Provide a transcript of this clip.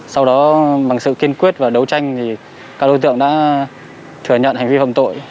sau đó bằng sự kiên quyết và đấu tranh thì các đối tượng đã thừa nhận hành vi phạm tội